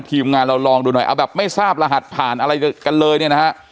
ทีมงานเราลองดูหน่อยเอาแบบไม่ทราบรหัสผ่านอะไรกันเลยเนี่ยนะฮะ